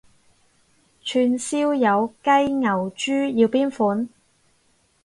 串燒有雞牛豬要邊款？